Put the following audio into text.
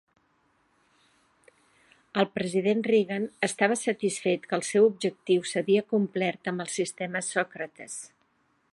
El president Reagan estava satisfet que el seu objectiu s'havia complert amb el sistema Sòcrates.